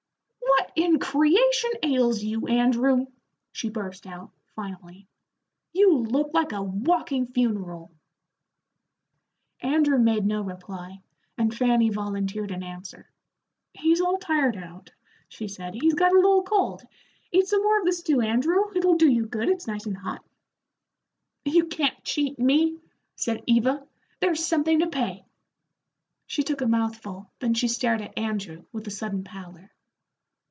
"What in creation ails you, Andrew?" she burst out, finally. "You look like a walking funeral." Andrew made no reply, and Fanny volunteered an answer. "He's all tired out," she said; "he's got a little cold. Eat some more of the stew, Andrew; it'll do you good, it's nice and hot." "You can't cheat me," said Eva. "There's something to pay." She took a mouthful, then she stared at Andrew, with a sudden pallor.